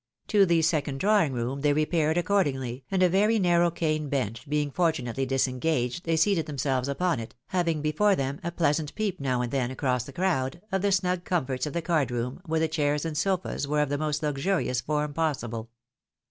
To the second drawing room they repaired accordingly, and a very narrow cane bench being fortunately disengaged, they seated themselves upon it, having before them a pleasant peep now and then across the crowd, of the snug comforts of the card room, where the chairs and sofas were of the most luxurious form possible.